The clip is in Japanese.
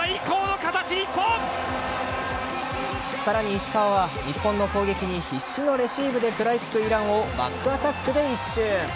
さらに石川は日本の攻撃に必死のレシーブで食らいつくイランをバックアタックで一蹴。